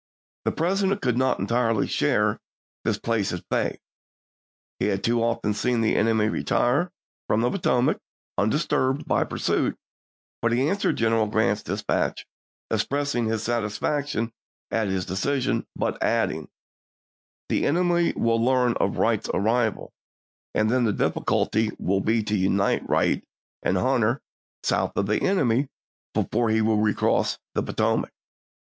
The President , Jxxly^ ° t 1864. MS. could not entirely share this placid faith ; he had too often seen the enemy retire from the Poto mac undisturbed by pursuit ; but he answered General Grant's dispatch expressing his satisfac tion at his decision, but adding, " The enemy will learn of Wright's arrival, and then the difficulty will be to unite Wright and Hunter south of the enemy before he will recross the Potomac.